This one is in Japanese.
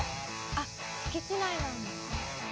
あっ敷地内なんだ。